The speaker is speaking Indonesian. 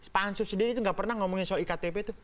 pansus sendiri itu tidak pernah ngomongin soal iktp tuh